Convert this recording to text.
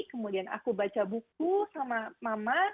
kemudian aku baca buku sama mama